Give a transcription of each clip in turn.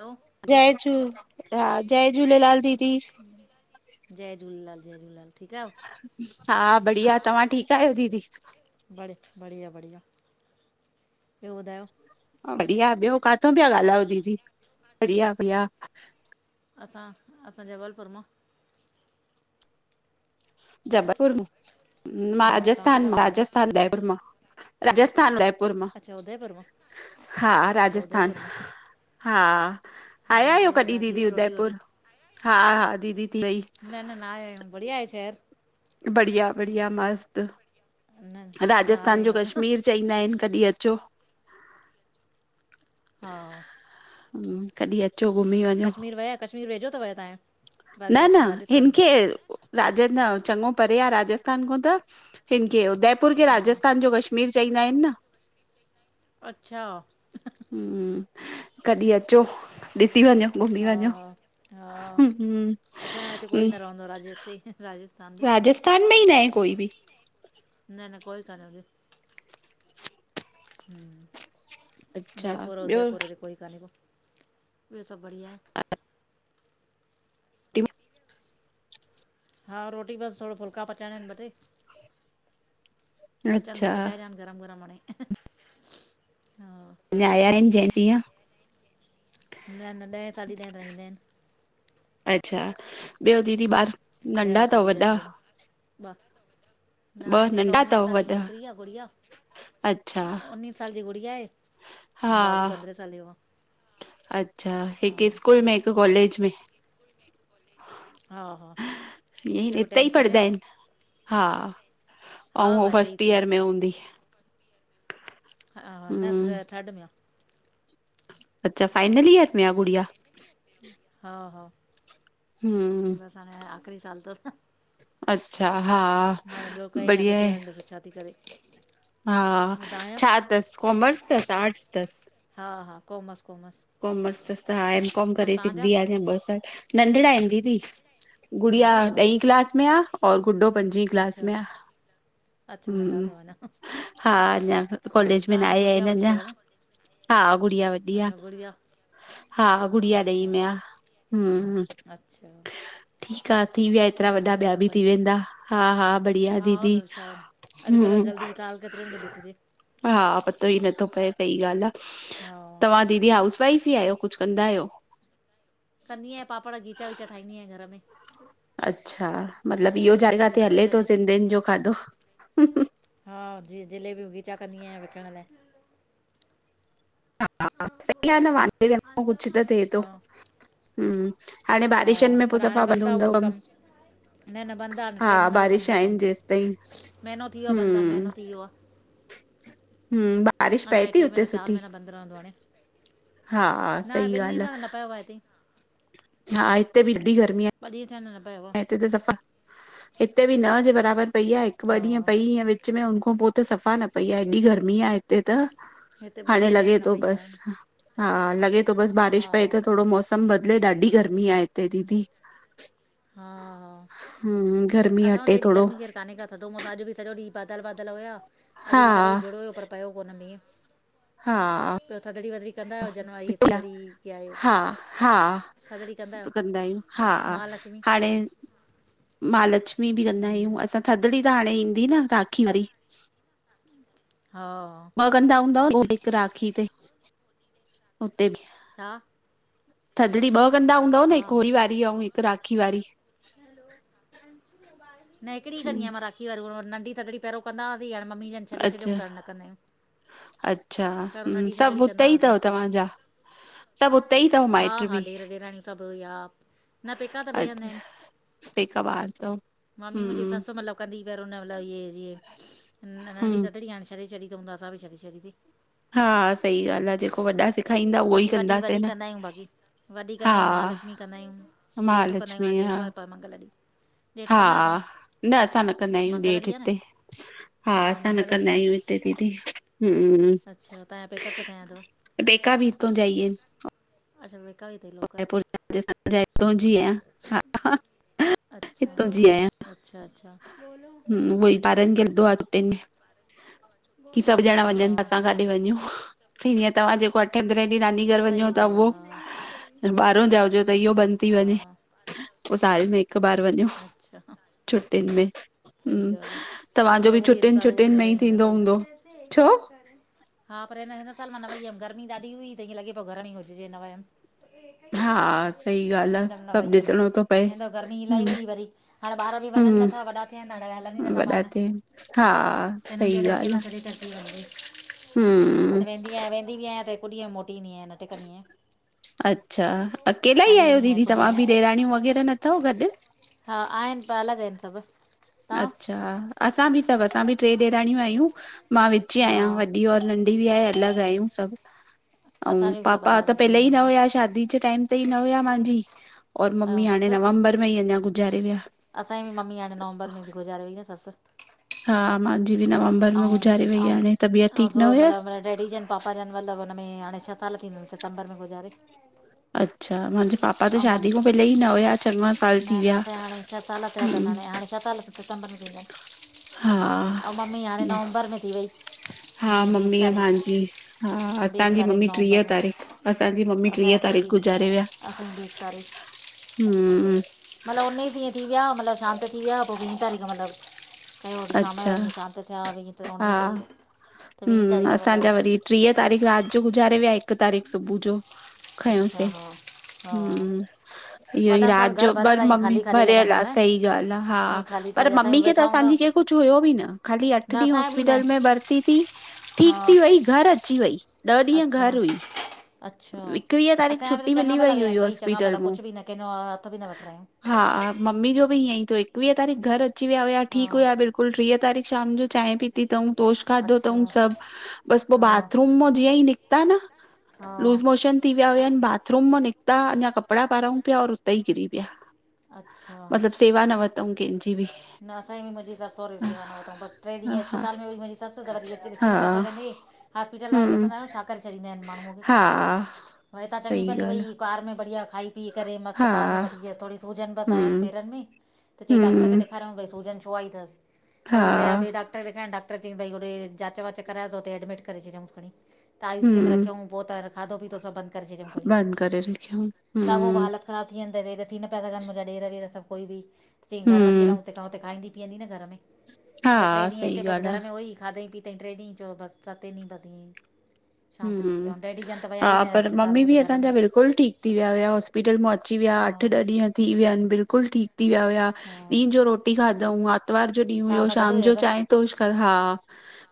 हलो जी जय झूल हां जय झूलेलाल दीदी जय झूलेलाल जय झूलेलाल ठीक आहियो हां बढ़िया तव्हां ठीक आहियो दीदी बढ बढ़िया बढ़िया ॿियो ॿुधायो बढ़िया ॿियो काथों पिया ॻाल्हायो दीदी बढ़िया बढ़िया असां असां जबलपुर मां जबलपुर मां हा तव्हां राजस्थान किथां था ॻाल्हायो? राजस्थान उदयपुर राजस्थान उदयपुर उदयपुर मां अच्छा उदयपुर मां हा अच्छा उदयपुर राजस्थान मां। हा हा आया आहियो ॿियो कॾहिं ॿुधाए थी दीदी वई रोटी वोटी? उदयपुर हा हा दीदी थी वई खेर बढ़िया बढ़िया मस्त न न आया राजस्थान जो आहियूं असां। कश्मीर चईंदा आहिन कॾहिं अचो हां हम्म कॾी अच अचो घूमी कश्मीर विया कश्मीर वेझो थव तहांयो न न हिन खें राजन चंगो परे आह राजस्थान खां त हिनखे उदयपुर खे हा राजस्थान जो कश कश्मीर चईंदा आहिन न अछा हम्म कॾहिं अचो ॾिसी वञो घुमी हा वञो हा हा हम्म असांजो हिते कोई हम्म, न रहंदो आहे राज हिते राजस्थान बी तन में ई न आहे कोई बी न न कोई काने ॾे हम अच्छा जयपुर ॿियो उदयपुरे हिते कोई कानेको् ॿियो सभु बढ़िया आहे ट [unintelligible] हा रोटी बसि थोरो फुलका पचाइणा आहिनि ॿ टे अचनि त अच्छा पचाए ॾियानि गरम गरम हाणे हा अञा आया आहिन जंहिं ॾीअं न न ॾहे साढी ॾहे ताई ईंदा आहिन अच्छा ॿियो दीदी ॿार आहिनि ॾह नंढा अथव साढी ॾह वॾा थी वेंदा न वॾा ॿ आहिन हिक नंढा उन्नीस अथव साल ॼी वॾा छोकिरी आहे गुड़िया अच्छा न उन्नीस साल जी गुड़िया आहे हा बाबू पंद्रहें साले ॼो अच्छा हिकु स्कूल में हिकु कॉलेज में हा हा ईअ हिकु हिते ई टेंथ में पढ़ंदा आहे आहिन हा हा ऐं हू हा हिते ई फस्ट हिते ई ईयर में हूंदी हा ह नथ त हम्म थर्ड में आ अच्छा फाइनल ईयर में आ गुड़िया हा हा हम बसि हाणे आख़िरी साल तस न अच्छा हा ॿियो कईं बढ़िया अॻिते आहे हाणे छा थी करे हा ऐं तव्हांजा छा अथसि कॉमर्स अथसि आर्ट्स अथसि हा हा काॅमर्स काॅमर्स कॉमर्स अस त हा एम काॅम करे सघंदी आहेस ॿ साल नंढिड़ा आहिन दीदी गुड़िया ॾही अच्छा क्लास में आ और गुॾडो पंजी क्लास में आ अच्छा नंढा हमम अथव अञा हा अञा कॉलेज में न तव्हांजो आया गुड़िया अन वॾी अञा अथव न हा गुड़िया वॾी आ अच्छा गुड़िया हा गुड़िया ॾई अच्छा में आ हम अच्छा ठीकु आहे थी विया हेतिरा ॿियो वॾा ॿुधायो ॿिया सभु बि थी बढ़िया वेंदा हा हा बढ़िया हा दीदी ॿियो छा अॼुकल्ह हम्म जल्दी साल केतिरे में तो बितजे हा पतो ई नथो पए सही ॻाल्हि आहे हा दीदी हाउस वाइफ ई आहियो कुझु कंदा आहियो कंदी आहियां पापड़ खीचा वीचा ठाहींदी आहिया घर में अच्छा मतलॿु इहो जाॾे काथे खीचा हले वीचा थो जे सिंधियुनि ॼो खाधो हा ॼिअ् जिलेबीयूं खींचा कंदी आहियां विकण लाइ हा सई आहे न वांदे वेहण खां कुछ त थिए थो हा हम हाणे हा बारिशनि में पर पोइ हाणे सफ़ा बंदि आहे उहो बि हूंदव कमु न न बंदि आहे हाणे हा टे महीना त बारिश बंदि आहे आहिन कमु जेसि ताईं महीनो थी वियो आहे बंदि आहे हम महीनो थी वियो आहे हम बारिश अञा पए हे थी टे हुते महीना चारि सुठी महीना बंदि रहंदो हाणे हा न सही ॿिनि ॾींहंनि ॻाल्हि खां त न पयो आहे हिते हा हिते ॿि एॾी गर्मी आहे परिह खां न पयो आहे ऐं हिते त सफ़ा हिते बि न जे बराबरि पई आहे हिकु ॿ हा ॾींहं पई विच में हुनख खां पोइते सफ़ा न पई आहे एॾी गर्मी आहे हिते त हिते ॿ ॾींहं हाणे थिया आहिनि लॻे न तो पई आहे बसि, हा, लॻे तो बसि बारिश पए हा त थोड़ो मौसम बदिले ॾाढी गर्मी आ, हिते दीदी। हा- हा, हम्म गर्मी असां वट त हटे एॾी थोरो गर्मी खेर काने का थधो मो त अॼु बि सॼो ॾींहुं बादल -बादल हुया, अॼ हा बि सॼो ॾींहुं जुड़ हुयो पर पियो कोन मींह, हा त थधड़ी वधड़ी कंदा आहियो, जनिवइ थधड़ी कीअं आहे? हा हा थदड़ी कंदा आहियो? आहियूं हा महालक्ष्मी हाणे महालक्ष्मी बि कंदा आहियूं, असां थधिड़ी त हाणे ईंदी न राखी वारी। हा। ॿ कंदा हूंदव? हिकु राखी ते, हुते बि हा। थदिड़ी ॿ कंदा हूंदव न हिकु हा होरी वारी अउं हिकु राखी वारी? न हिकड़ी हम्म, कंदी आं मां राख खीअ वर नंढी थदड़ी पहिरों कंदा हासीं, हाणे मम्मी जन छॾे अच्छा छॾियऊं त न कंदायूं। अच्छा, हुं- थधड़ी सभु उते कंदा ई हुआसीं तव तव्हांजा? सभु हुते ई अथव हा माइट -हा, बि ॾेर ॾेराणीयूं सभु, या न पेका त अ बे हंंद आहिनि। पेका ॿाहर तव, मम्मी मुंहिंजी हम्म ससु मतिलबु कंदी करो न मतिल इये नंढी हम्म, थदड़ी हाणे छॾे छॾी तऊं त असां बि छॾे छॾी सीं। हा, सही ॻाल्हि आ, जेको वॾा सेखारींदा उहो ई बाक़ी वॾी- कंदासीं वॾी न। कंदा आहियूं बाक़ी। वॾी हा, कंदा आहियूं, महालक्ष्मी कंदायूं, ॾेठि कंदा आहियूं महालक्ष्मी हाणे हा, ॾेठ आ, पर मंगल ॾींहुं। ॾेठ हा, कंदा आहियो तव्हां न असां न कंदा आहियूं मंगल ॾेठ ॾींहुं आहे हिते, हा असां न मंगल कंदा ॾींहुं आहे आहियूं। दीदी हम [inaudible] तांया पेका किथां या तव? पेका भी हितऊं जा ई इनि। अच्छा पेका भी हिते ई। हित जी आहियां हा हा [unintelligible] अच्छा- अच्छा -अच्छा, हम्म कि सभु ॼणा हा वञनि ता असां काॾे वञूं, चईंदी आं तव्हां जेको केंदरेह ॾींहुं नानी घर वञो सही ता उहो, ॻाल्हि आहे ॿाहरों जा हुजो त इयो बंदि थी हा वञे, पो साल में हिकु बार वञों। हा अच्छा छुट्टियुनि में, हम्म। सही ॻाल आ। असां तव्हांजो त उओ बि इन छुटियुनि साल उहो बि छुटियुनि न में ई वियाऊं हिन थींदो साल त। हूंदो? छो? हा, पर हिन हिन साल मां न वई हुमि गर्मी ॾाढी हुई त ईअं लॻे पो घर में ई हुजजे न वयमि। हा सही ॻाल्हि आ, हिन दम न सभु वईयमि ॾिसणो थो पए। हिनदव गर्मी इलाई हम्म हुई वरी हाणे ॿार बि वञनि हम्म नथा वॾा थियाइनि त हाणे हलनि ई नथा वॾा ॿार, थिया आहिनि, हा त इननखे सही वरी ॻाल्हि अकेलो आ। छॾे ी [inaudible] हम्म त वेंदी आयां वेंदी बि आहियां त हिक ॾीहं में मोटी ईंदी आयां, न टिकंदी आं। अच्छा, अकेला ई आहियो ईंदी आहियां दीदी हिकु तव्हां ॾींहं बि में ॾेराणियूं वग़ैरह न थव गॾु? हा, आहिनि पर अलॻि इनि सभु। तव्हां अच्छा, असां बि सभु असां बि ट्रे ॾेराणियूं आहियूं, मां विची हा आहियां वॾी और नं ढ़ी भी आहे अलग आहियूं सभु, अउं असांजी बि सभु पापा अलॻि त अलॻि थी पहले ई वियूं आहिनि न हुया हाणे शादी जे टाइम ते ई न हुया मांजी और ऐं मम्मी हाणे ससु नवंबर में ई अञा गुज़ारे विया। असांजी बि मम्मी हाणे नवंबर‌ में ती गुज़ारे वई न ससु। हा, मां जी बि नवंबर में ऐं गुज़ारे वई, हाणे तबियत ठीकु न हुयसि। डेबी जन, पापा जन मतिलब हुन में हाणे छह साल थींदन सितंबर में गुज़ारे। अच्छा माहिंजे पापा त ऐं मम शादी खां पहले ई न हुया चङा साल न थी न विया असां हाणे छसाल थया कंद हम्म हाणे छ साल हा [unintelligible] ऐं मम्मी हाणे नवंबर में थी वई। हा वीह ॿीस मम्मीअ तारीख़ मुंहिंजी हा ॿीस असांजी तारीख़ ममी टीह नवंबर में तारीख़ तहांजी मम्मी असांजे टीह असांजी तारीख़ बि गुज़ारे विया असांजी ॿीस तारीख़ हूं। मतिलबु उन ई ॾींहं थी विया मतिलबु शांत थी विया पोइ वीह तारीख़ मतिलबु कयो शाम जो अच्छा ईअं शांत थिया वीह हा उणिवीह तारीख़ त वीह हम्म तारीख़ असांजा मतिलबु वरी टीह तारीख़ रात जो गुज़ारे विया हिकु तारीख़ सुबुह जो अच्छा खयोंसीं। हा हा हूं इहो ई वॾनि सां रात बि घरु जो भरियल पर आहे ईअं मम्मी ख़ाली ख़ाली भरियल लॻंदो आहे न सही ॻाल्हि आहे हा ईअं ख़ाली पर ख़ाली असां मम्मी बि खे त वेठा हूंदा असांजी के कुझु हुयो बि न ख़ाली अठ न ॾींहं असांजा बि न हॉस्पिटल में बरती थी हा ठीक थी वई घर अची वई ॾह ॾींहं घर अच्छा हुई अच्छा एकवीह तारीख़ असांजा बि त छुटी चङा मिली भला वई विया हुई आहिनि ॿई चङा हॉस्पिटल भला मां कुझु बि न कंहिंज हथ बि न वठायूं। हा मम्मी जो बि ईअं ई थियो एवीह तारीख़ घर अची वि हुया हा ठीकु हुया बिल्कुलु कुल टीह तारीख़ शाम जो चांय भी पी अथऊ तोश खाधो अच्छा अथऊं सभु बस पोइ हा बाथरूम मां जीअं ई निकिता न हा लूस मोशन थी विया हुनि बाथरूम मां निकिता अञा कपिड़ा पारूं पिया और उते ई किरी पिया। अच्छा मतिलबु सेवा न वरितऊं कंहिंजी बि। न असजी मुंहिंजी सस सुरे सेवा न वठऊं हा बसिेॾींहं अस्पताल मेंई मुंहिंजीसु वरीस्त ॾिसी न पि हा सघंदे हॉस्पिटल वारा हम्म ॾिसंदा आहियो छा करे छॾींदा आहिनि माण्हूअ खे हा भई तवां चङी सही भली ॻाल्हि भई कार में बढ़िया खाई पी करे आ मस्तु हा कार में वठी आसि थोॾी सूजन बसि आयसि हम्म पेरनि में। त चई डॉक्टर हम्म खेॾेखारियऊ भई सूजन छो आ ई अथसि हा उहई वियाॿिए डॉकर डकरेखण डक्टर चई भई होॾे जांच वाच कराएयो तते एडि करे छियऊं खणी त आई सी में हम्म रखऊूं पोइ त खाधो पीतो सभु बंद करे छॾियऊं खी बंदि करे रखियऊं ताॻो बि हम्म हालत ख़राब थी वेंदा देर सी न पैसानि मुंहिंजा ॾेर वर सभुई बि चईं घर वठी हम्म हलऊूं [inaudible] त हा सही ॻाल्हि आ ट्रेनंग च बस सतेनी बती शांत थी वी हम्म ऑऊ डेडी हा पर मम्मी बि असांजा बिल्कुल ठीकु थी विया हुआ हॉस्पिटल मां अची विया अठ हा ॾह ॾींहं थी विया आहिनि बिल्कुलु ठीकु थी विया हुया हा ॾींहं जो रोटी खाधऊं आरितवार जो ॾींहुं तव्हां हुयो सां गॾु शाम जो हुयव चाहिं तोश हा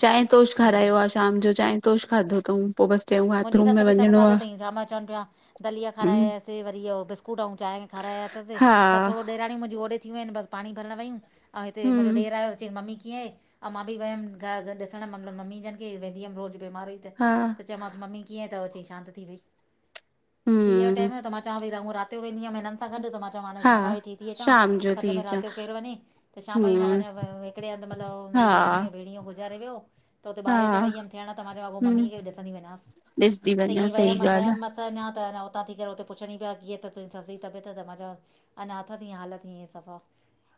चाहि तोश हम्म खारायो आ। शाम जो चाहे तोश खाधो अथऊं पो बस चयो मुंहिंजी ससु बि सभु खाधो अथईं छाम चवनि पिया दलीया आ खारायसि वरी इहो बिस्कुट ऐं चांहि खाराया अथसि बस हा, थोॾो ॾेराणियूं मुंहिंजी ओॾे थी वूं आहिनि बसि पाणी भरण वयूं। ऐं हिते मांजो हम्म, ॾेर आयो। चई मम्मी कीअं आहे ऐं मां बि वियमि घ ॾिसणु मतिलबु मम्मी जनि खे वेंदी हुअमिज़ बीमार हुई हा, चयोमांसि मम्मी कीअं थो अचे शांत थी वई सीअए जो हम्म, टेम त मां चवां भई रात जो वेंदी हुअमि हिननि गॾु त मां चवां हाणे हा। शाम जो थी अचां शाम जो थधि थी में अचां, रात जो केरु वञी त शाम जो मां हम्म, वञा हिकिड़े हंधि मतलब हा, मुंहिंजी ॾेराणीअ जो भेणीयो जो गुज़ारे वियो। त हुते बॿारे ते हा, वई हुमि थियण त मां चयो मम्मी हम्म। खे ॾिसंदी वञसि ॾिसंदी ह वञा, सही ॻाल्हि आ, वमिमि अस अञा त उतां थी करे उते पुछणीया कीअं तुंहिंज सस जीबियत त मां चयो अनाथ जीअं हालत ई सफ़ा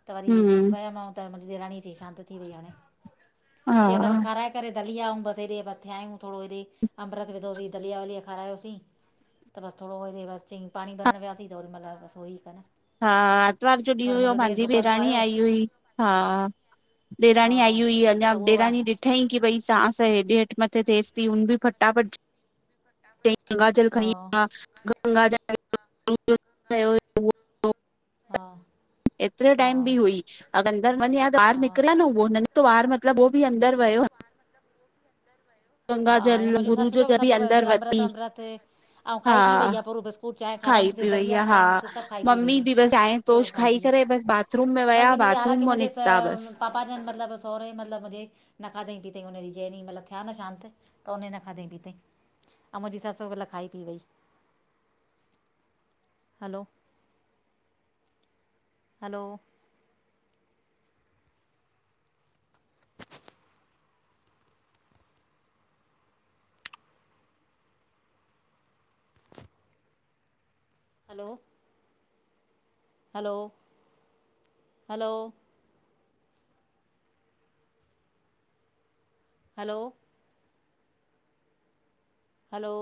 त वरी हम्म, वियमि त मुंहिंजी ॾेराणी चई शांत थी वई हाणे चई असां बस हा। खाराए। करे दलिया अऊं बस हेॾे बसि थियायूं थोरो हेॾे ई, अमृत विधोसीं दलिया वलीया खारायोसीं। त बसि थोरो हेॾे वरी बसि चईं पाणी भरण वियासीं त ओॾी महिल बसि हो ई कान। हा हा, आरितवार जो ॾींहुं पर हुयो, मुंहिंजो ॾेर मांजी डुकंदो ॾेराणी आयो आई हुई, हा। हा ॾेराणी आई हुई, अञां त उहो वा ॾेराणी ॾि ॾिठईं कि भई सांस हेॾे हेठि मथे थेएस ती, हुन बि फटाफट चाईं गंगा जल हा खणी आ, गंगा जल [unintelligible] गंगा हुयो, जल [unintelligible] उहो एतिरे टाइम बि हुई, अगिर अंदरि वञें हा त ॿाहिरि निकिरे आ न। उहो न निकितो ॿाहरि मतिलबु उहो बि अंदरि वियो। हा गंगा जल हा, मुंहिंजे गुरू ससु जो बि जल सभु अंदर वयसि वती अमृत अमृत, अऊं हा खाई पी वई आ पूरो बरोबस्। चांहि खाई खारायऊंसि उसे पी वई दलिया आहे हा खारायऊंसि सभु खाई पी वई मम्मी आ, बि बसि चांहि पूरो तोश खाई पी वई। करे बसि बाथरूम में विया बल्कि मुझे, बाथरूम हालकी मां मझे निकिता सब बसि पपा जन मतिलबु सहुरे मतिलबु मुंहिंजे न खादईं पीतईं हुन ॾीहुं जंहिं ॾींहुं थिया न शांत। त उन न खादईं पीतईं, अऊ मुंहिंजी ससु ओमल खाई पी वई। Hello. Hello. [unintelligible] Hello. Hello, hello. Hello. हलो।